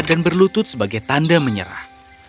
dan berlutut sebagai tanda menyerah